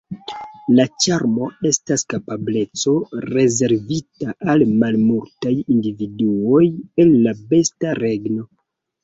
La ĉarmo estas kapableco rezervita al malmultaj individuoj el la besta regno.